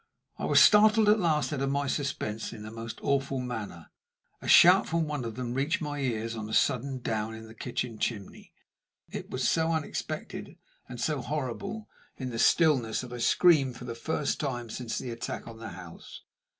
I was startled at last out of my suspense in the most awful manner. A shout from one of them reached my ears on a sudden down the kitchen chimney. It was so unexpected and so horrible in the stillness that I screamed for the first time since the attack on the house.